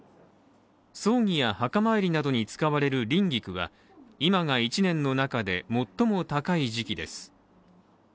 葬儀や墓参りなどに使われる輪菊は今が１年の中で最も高い時期です。